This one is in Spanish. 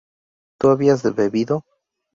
¿tú habías bebido?